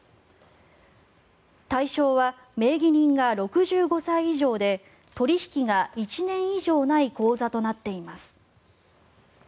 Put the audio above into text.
対象は名義人が６５歳以上で取引が１年以上ない口座となっています。